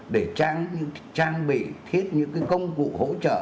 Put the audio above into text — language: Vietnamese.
để trang bị thiết những cái công cụ hỗ trợ